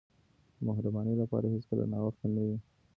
د مهربانۍ لپاره هیڅکله ناوخته نه وي.